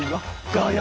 「ガヤ！